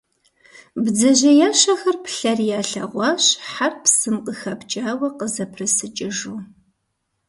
Бдзэжьеящэхэр плъэри ялъэгъуащ хьэр псым къыхэпкӀауэ къызэпрысыкӀыжу.